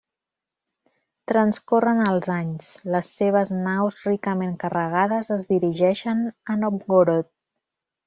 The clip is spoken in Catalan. Transcorren els anys; les seves naus ricament carregades es dirigeixen a Novgorod.